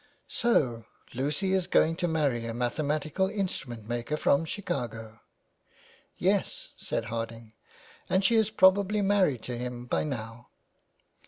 '' So Lucy is going to marry a mathematical instru ment maker from Chicago ?"" Yes," said Harding, " and she is probably married to him by now.